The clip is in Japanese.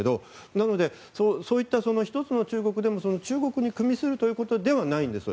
なのでそういった一つの中国でも中国に与するということではないんです。